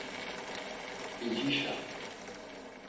P̌icişa?